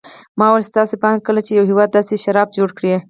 ما وویل: ستاسې په اند کله چې یو هېواد داسې شراب جوړ کړي.